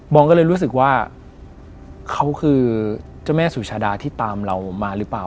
องก็เลยรู้สึกว่าเขาคือเจ้าแม่สุชาดาที่ตามเรามาหรือเปล่า